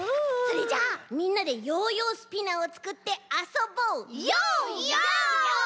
それじゃあみんなでヨーヨースピナーをつくってあそぼう。